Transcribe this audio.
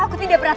aku tidak berat